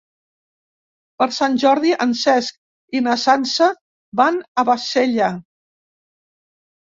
Per Sant Jordi en Cesc i na Sança van a Bassella.